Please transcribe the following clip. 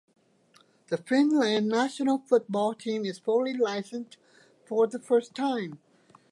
The Finland national football team is fully licensed for the first time.